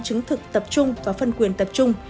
chứng thực tập trung và phân quyền tập trung